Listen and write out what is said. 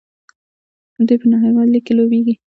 دوی په نړیوال لیګ کې لوبېږي.